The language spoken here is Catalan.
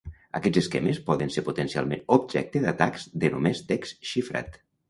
Aquests esquemes poden ser potencialment objecte d'atacs de només text xifrat.